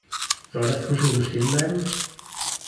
Soll das Büschel so stehen bleiben?